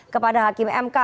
kepada hakim mk